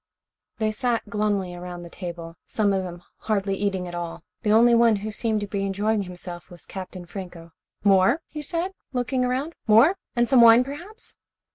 They sat glumly around the table, some of them hardly eating at all. The only one who seemed to be enjoying himself was Captain Franco. "More?" he said, looking around. "More? And some wine, perhaps."